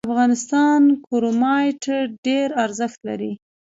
د افغانستان کرومایټ ډیر ارزښت لري